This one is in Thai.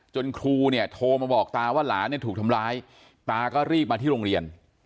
จนครูโทรมาบอกตาว่าหลานถูกทำร้ายตาก็รีบมาที่โรงเรียน